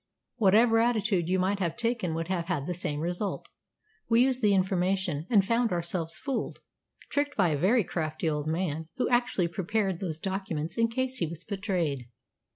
"Whatever attitude you might have taken would have had the same result. We used the information, and found ourselves fooled tricked by a very crafty old man, who actually prepared those documents in case he was betrayed."